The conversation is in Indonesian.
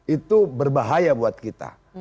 itu berbahaya buat kita